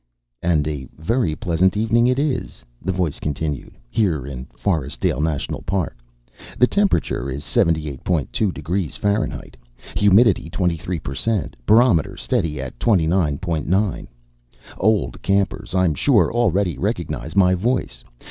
"And a very pleasant evening it is," the voice continued, "here in Forestdale National Park. The temperature is seventy eight point two degrees Fahrenheit, humidity 23 per cent, barometer steady at twenty nine point nine. Old campers, I'm sure, already recognize my voice.